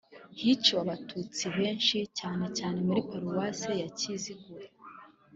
hiciwe Abatutsi benshi cyane cyane muri Paruwasi ya Kiziguro